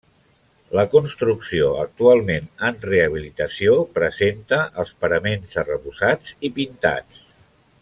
La construcció, actualment en rehabilitació, presenta els paraments arrebossats i pintats.